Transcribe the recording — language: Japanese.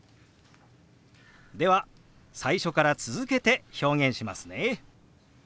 では最初から続けて表現しますね。